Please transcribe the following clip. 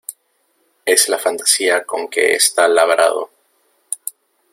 es la fantasía con que está labrado.